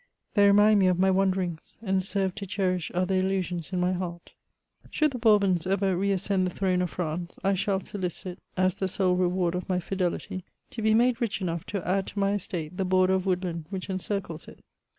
They remind me of my wanderings, and serve to cherish other illu sions in my heart. Should the Bourbons ever re^ ascend the throne of France, I shall solicit^ as the sole reward of my fideUty, to be made rich enough to add to my estate the border of woodland which encircles it.